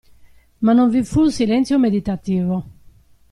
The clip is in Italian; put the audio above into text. Ma non vi fu silenzio meditativo.